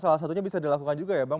salah satunya bisa dilakukan juga ya bang